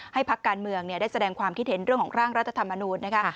พักการเมืองได้แสดงความคิดเห็นเรื่องของร่างรัฐธรรมนูญนะคะ